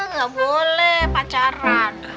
nggak boleh pacaran